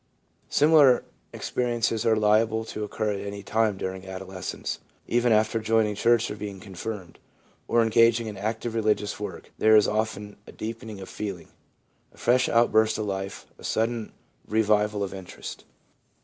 Similar experiences are liable to occur at any time during adolescence ; even after joining church or being confirmed, or engaging in active religious work, there is often a deepening of feeling, a fresh outburst of life, a sudden revival of interest.